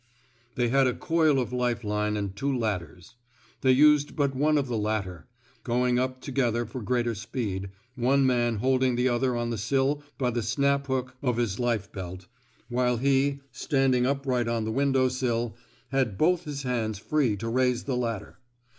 '' They had a coil of life line and two ladders. They used but one of the latter, going up together for greater speed, one man holding the other on the sill by the snap hook of 213 i THE SMOKE EATERS his life belt, while he, standing upright on the window sill, had both his hands free to raise the ladder.